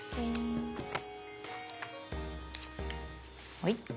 はい。